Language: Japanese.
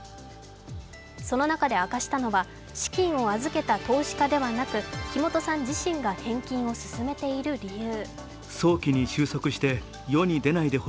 その中で明かしたのは、資金を預けた投資家ではなく、木本さん自身が返金を進めている理由。